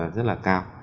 rất là cao